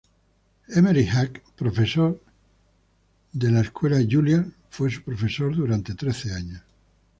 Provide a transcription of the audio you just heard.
Emery Hack, un profesor de la Juilliard School, fue su profesor durante trece años.